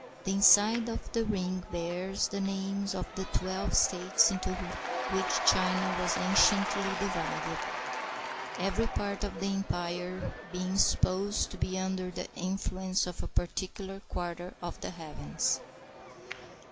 The inside of the ring bears the names of the twelve states into which China was anciently divided; every part of the empire being supposed to be under the in fluence of a particular quarter of the heavens.